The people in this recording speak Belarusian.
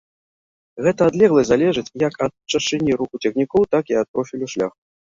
Гэта адлегласць залежыць як ад чашчыні руху цягнікоў, так і ад профілю шляху.